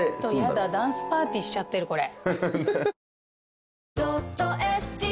ダンスパーティーしちゃってるこれ。